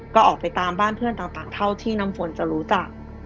ก็ออกไปตามบ้านเพื่อนต่างเท่าที่น้ำฝนจะรู้จัก